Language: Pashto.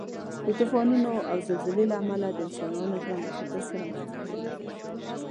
د طوفانو او زلزلې له امله د انسانانو ژوند له خطر سره مخ دی.